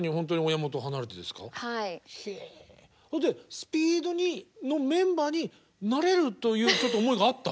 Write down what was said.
ＳＰＥＥＤのメンバーになれるというちょっと思いがあった？